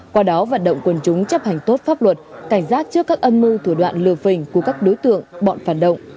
qua đó vận động quân chúng chấp hành tốt pháp luật cảnh giác trước các âm mưu thủ đoạn lừa phình của các đối tượng bọn phản động